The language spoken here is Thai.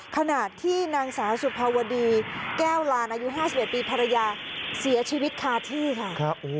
ขณะที่นางสาวสุภาวดีแก้วลานอายุ๕๑ปีภรรยาเสียชีวิตคาที่ค่ะ